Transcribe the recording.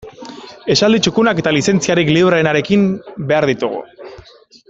Esaldi txukunak eta lizentziarik libreenarekin behar ditugu.